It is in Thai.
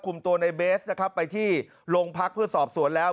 ตัวในเบสนะครับไปที่โรงพักเพื่อสอบสวนแล้ว